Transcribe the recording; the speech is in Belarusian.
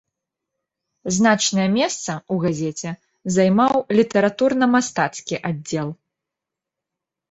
Значнае месца ў газеце займаў літаратурна-мастацкі аддзел.